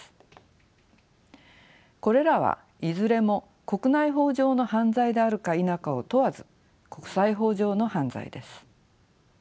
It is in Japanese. これらはいずれも国内法上の犯罪であるか否かを問わず国際法上の犯罪です。